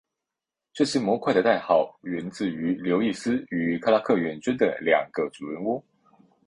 这些模块的代号源自于刘易斯与克拉克远征的两个主人翁。